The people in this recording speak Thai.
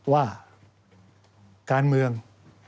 ว่าการมีประชานิยม